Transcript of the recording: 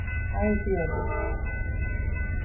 Jae fiodaite